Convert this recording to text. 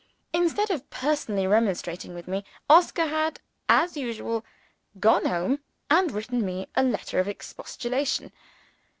Instead of personally remonstrating with me, Oscar had (as usual) gone home, and written me a letter of expostulation.